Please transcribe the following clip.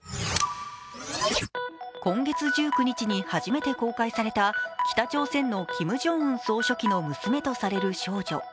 今月１９日に初めて公開された北朝鮮のキム・ジョンウン総書記の娘とされる少女。